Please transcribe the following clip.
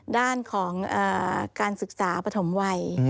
ด้านของการศึกษาปฐมวัย